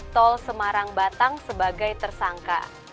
tol semarang batang sebagai tersangka